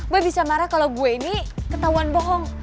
gue bisa marah kalau gue ini ketahuan bohong